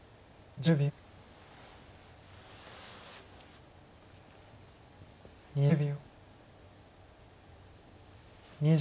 ２０秒。